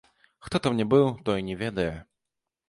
Хто там не быў, той не ведае.